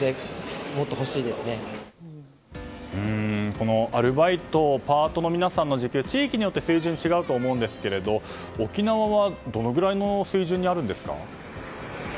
このアルバイトやパートの皆さんの時給地域によって水準は違うと思うんですけれど沖縄はどのぐらいの水準にあるんですか？